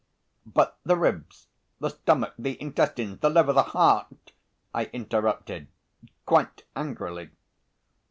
"But the ribs, the stomach, the intestines, the liver, the heart?" I interrupted quite angrily.